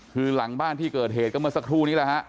คือหลังบ้านที่เกิดเหตุก็เมื่อสักครู่นี้แหละฮะ